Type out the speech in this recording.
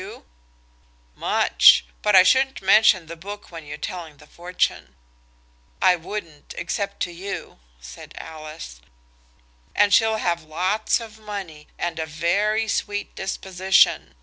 "WE'VE GOT MUSICAL INSTRUMENTS," SAID NOEL. "Much; but I shouldn't mention the book when you're telling the fortune." "I wouldn't, except to you," said Alice, "and she'll have lots of money and a very sweet disposition.